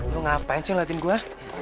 lu ngapain sih ngeliatin gua